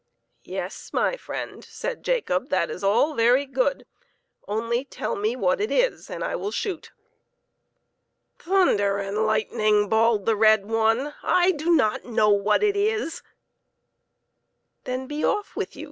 " Yes, my friend," said Jacob, " that is all very good ; only tell me what it is and I will shoot." " Thunder and lightning !" bawled the red one, "/ do not know what it is /"" Then be off with you